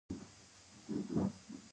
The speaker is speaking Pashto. د هندوکش شمالي برخه ولې سړه ده؟